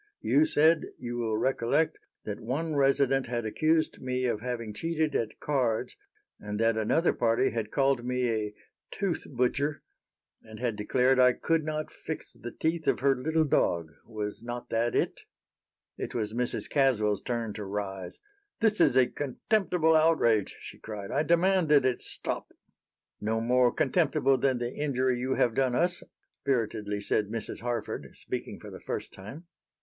You said, you will recollect, that one resident had accused me of having cheated at cards, and that another party had called me a 'tooth butcher,' and had declared I could not fix the teeth of her little dog. Was not that it?" It was Mrs. Caswell's turn to rise. "This is a contemptible outrage," she cried. "I demand that it stop." "No more contemptible than the injury you have done us," spiritedly said Mrs. Harford, speaking for the first time.